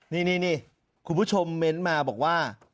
นี่คุณผู้ชมเม้นต์มาบอกว่า